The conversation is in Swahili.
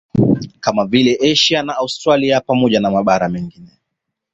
Kama vile Asia na Australia pamoja na mabara mengine